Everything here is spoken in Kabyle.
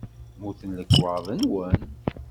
Mmuten lekwaɣeḍ-nwen?